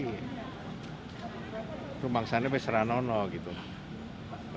itu maksudnya tidak ada apa apa